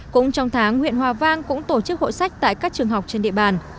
cũng trong tháng huyện hòa vang cũng tổ chức hội sách tại các trường học trên địa bàn